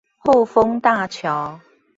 後豐大橋